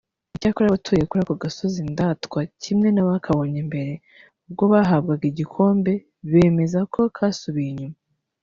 Icyakora abatuye kuri ako gasozi indatwa kimwe n’abakabonye mbere ubwo kahabwaga igikombe bemeza ko kasubiye inyuma